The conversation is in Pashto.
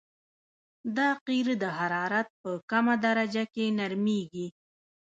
دا قیر د حرارت په کمه درجه کې نرمیږي